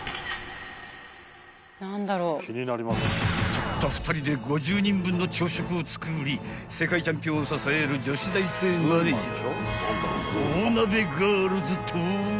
［たった２人で５０人分の朝食を作り世界チャンピオンを支える女子大生マネージャー］